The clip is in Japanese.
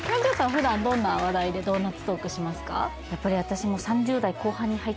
普段どんな話題でドーナツトークしますか？